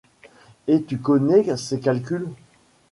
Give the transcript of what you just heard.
Et tu connais ces calculs ?